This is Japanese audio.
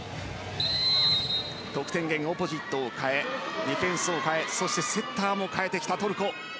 得点源・オポジットを代えディフェンスを代えそしてセッターも代えてきたトルコ。